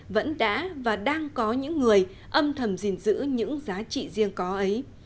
vẫn đã và đang có những người âm thầm gìn giữ những giá trị riêng có ấy